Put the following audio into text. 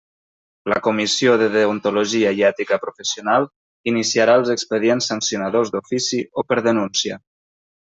La Comissió de Deontologia i Ètica Professional iniciarà els expedients sancionadors d'ofici o per denúncia.